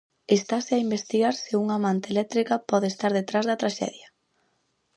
Estase a investigar se unha manta eléctrica pode estar detrás da traxedia.